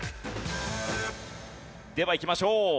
ではいきましょう。